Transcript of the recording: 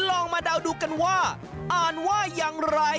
ลองมาเดาดูกันว่าอ่านว่าอย่างไร